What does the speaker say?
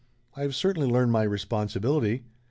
"I have certainly learned my responsibility.